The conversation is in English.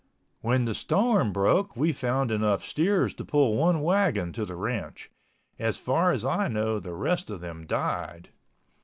When the storm broke we found enough steers to pull one wagon to the ranch. As far as I know the rest of them died.